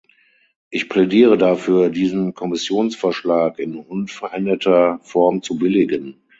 Ich plädiere dafür, diesen Kommissionsvorschlag in unveränderter Form zu billigen.